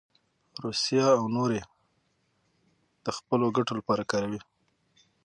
روسیه او نور یې د خپلو ګټو لپاره کاروي.